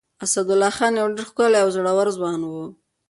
اسدالله خان يو ډېر ښکلی او زړور ځوان و.